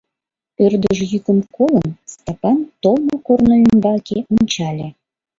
Ӧрдыж йӱкым колын, Стапан толмо корно ӱмбаке ончале.